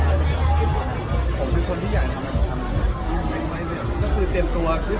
ไม่รู้เลยว่าวันะ่เห็นจะเป็นวันที่